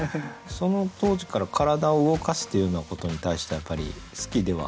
その当時から体を動かすというようなことに対してはやっぱり好きではあったんですか？